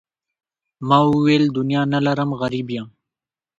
ما وویل دنیا نه لرم غریب یم.